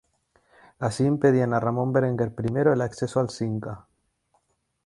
Así impedían a Ramón Berenguer I el acceso al Cinca.